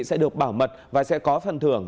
sẽ được bảo mật và sẽ có phần thưởng